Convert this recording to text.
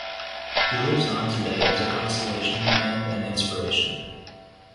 He lives on today as a constellation and an inspiration.